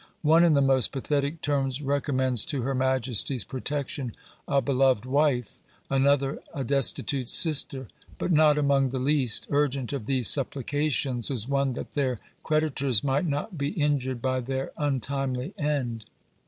One in the most pathetic terms recommends to her majesty's protection a beloved wife; another a destitute sister; but not among the least urgent of their supplications, was one that their creditors might not be injured by their untimely end.